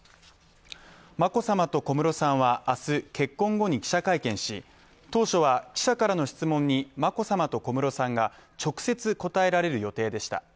眞子さまと小室さんは明日、結婚後に記者会見し当初は記者からの質問に眞子さまと小室さんが直接答えられる予定でした。